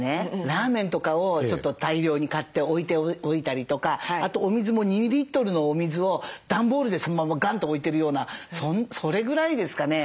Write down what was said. ラーメンとかをちょっと大量に買って置いておいたりとかあとお水も２リットルのお水を段ボールでそのままガンと置いてるようなそれぐらいですかね。